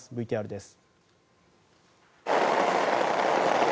ＶＴＲです。